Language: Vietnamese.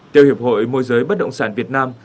theo hiệp hội môi giới bất động sản việt nam